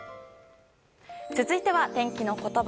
続いては、天気のことば。